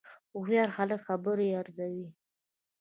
هوښیار خلک خبرې ارزوي